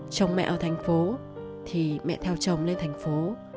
chồng mẹ ở thành phố thì mẹ theo chồng lên thành phố